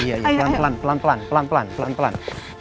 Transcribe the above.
iya pelan pelan pelan pelan pelan pelan